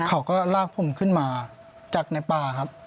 เขาก็ลากผมขึ้นมาจากในป่าครับ